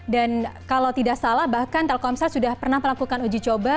dan kalau tidak salah bahkan telkomsel sudah pernah melakukan uji coba